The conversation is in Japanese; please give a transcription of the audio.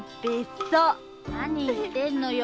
何言ってんのよ。